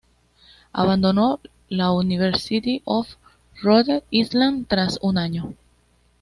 Abandonó la University of Rhode Island tras un año.